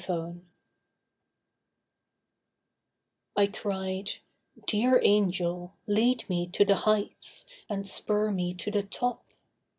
THE HEIGHTS I cried, 'Dear Angel, lead me to the heights, And spur me to the top.